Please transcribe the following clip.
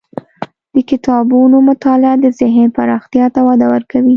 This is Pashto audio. د کتابونو مطالعه د ذهن پراختیا ته وده ورکوي.